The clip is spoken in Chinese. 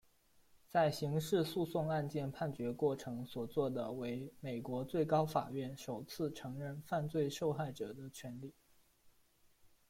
在刑事诉讼案件判决过程所做的为美国最高法院首次承认犯罪受害者的权利。